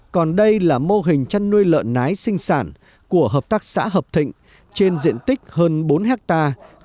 còn đây là mô hình chăn nuôi lợn nái sinh sản của hợp tác xã hợp thịnh trên diện tích hơn bốn hectare